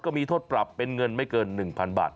ก็มีโทษปรับเป็นเงินไม่เกิน๑๐๐๐บาท